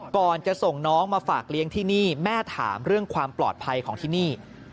ก่อนจะส่งน้องมาฝากเลี้ยงที่นี่แม่ถามเรื่องความปลอดภัยของที่นี่